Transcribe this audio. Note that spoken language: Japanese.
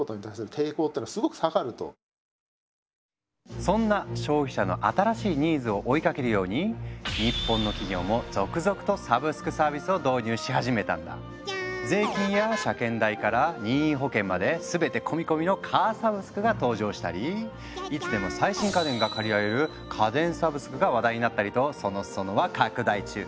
そんな消費者の新しいニーズを追いかけるように日本の税金や車検代から任意保険まで全て込み込みの「カーサブスク」が登場したりいつでも最新家電が借りられる「家電サブスク」が話題になったりとその裾野は拡大中。